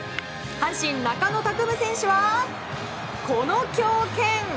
阪神、中野拓夢選手はこの強肩。